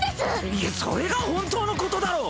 いやそれが本当のことだろ！